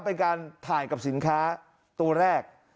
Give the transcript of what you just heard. เป็นการถ่ายกับสินค้าตัวแรก